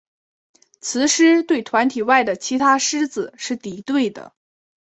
雌狮对团体外的其他狮子是敌对的。